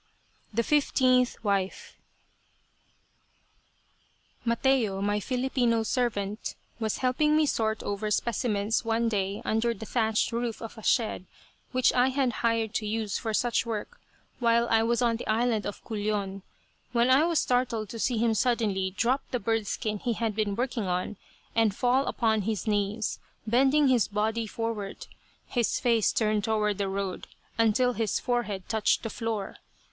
THE FIFTEENTH WIFE Mateo, my Filipino servant, was helping me sort over specimens one day under the thatched roof of a shed which I had hired to use for such work while I was on the island of Culion, when I was startled to see him suddenly drop the bird skin he had been working on, and fall upon his knees, bending his body forward, his face turned toward the road, until his forehead touched the floor.